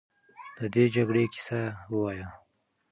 د دې جګړې کیسه ووایه.